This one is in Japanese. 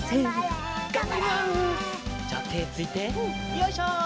よいしょ！